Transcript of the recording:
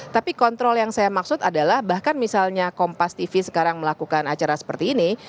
tapi kontrol yang saya maksud adalah bahkan misalnya kompas tv sekarang melakukan acara seperti ini